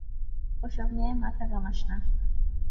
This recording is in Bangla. ওসব নিয়ে মাথা ঘামাস না।